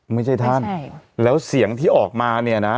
ไม่ใช่ท่านใช่แล้วเสียงที่ออกมาเนี่ยนะ